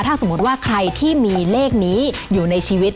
ถ้าสมมุติว่าใครที่มีเลขนี้อยู่ในชีวิต